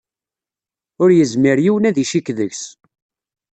Ur yezmir yiwen ad icikk deg-s.